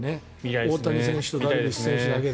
大谷選手とダルビッシュが投げるの。